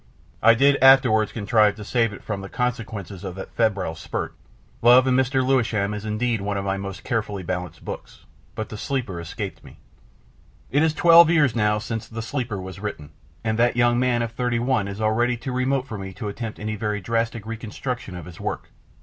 I did afterwards contrive to save it from the consequences of that febrile spurt Love and Mr. Lewisham is indeed one of my most carefully balanced books but the Sleeper escaped me. It is twelve years now since the Sleeper was written, and that young man of thirty one is already too remote for me to attempt any very drastic reconstruction of his work.